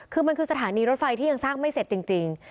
คือมันคือสถานีรถไฟที่ยังสร้างไม่เสร็จจริง